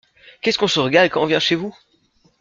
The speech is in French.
Qu’est-ce qu’on se régale quand on vient chez vous!